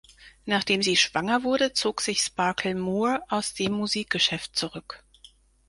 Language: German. Nachdem sie schwanger wurde, zog sich Sparkle Moore aus dem Musikgeschäft zurück.